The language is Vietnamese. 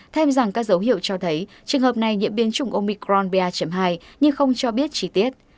thêm rằng các dấu hiệu cho thấy trường hợp này nhiễm biến chủng omicron ba hai nhưng không cho biết chi tiết